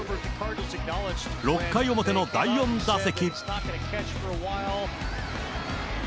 ６回表の第４打席。